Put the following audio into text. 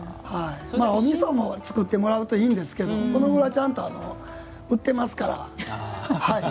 おみそも作ってもらうといいんですけど最近はちゃんと、売ってますから。